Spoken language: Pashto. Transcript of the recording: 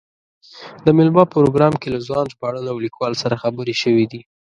د مېلمه پروګرام کې له ځوان ژباړن او لیکوال سره خبرې شوې دي.